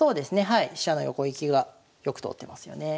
はい飛車の横利きがよく通ってますよね。